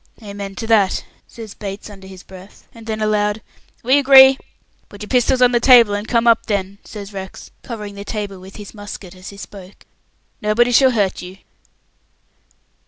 "Amen to that," says Bates under his breath, and then aloud, "We agree!" "Put your pistols on the table, and come up, then," says Rex, covering the table with his musket as he spoke. "And nobody shall hurt you."